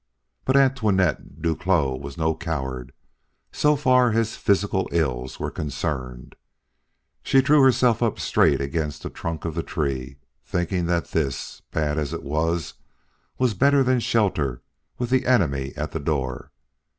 But Antoinette Duclos was no coward, so far as physical ills were concerned. She drew herself up straight against the trunk of the tree, thinking that this, bad as it was, was better than shelter with the enemy at the door.